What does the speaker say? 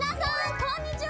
こんにちは！